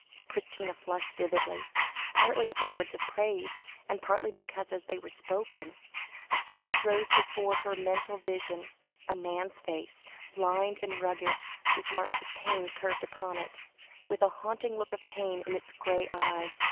Christina flushed vividly, partly at the words of praise, partly because, as they were spoken, a face rose before her mental vision, a man's face, lined and rugged, with marks of pain carved upon it, with a haunting look of pain in its grey eyes.